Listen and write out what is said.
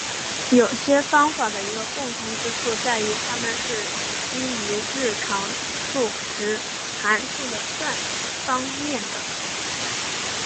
有些方法的一个共同之处在于它们是基于日常数值函数的算子方面的。